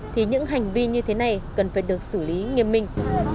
thì những hành vi như thế này cần phải được xử lý nghiêm minh